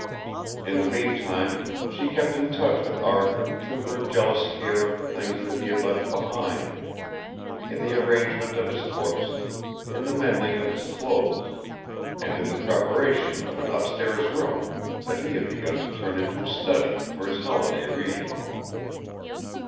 In the meantime she kept in touch with Arthur through her jealous care of the things that he had left behind, in the arrangement of his books, in the mending of his clothes, and in the preparation of an upstairs room that he had begun to turn into a study for his holiday reading.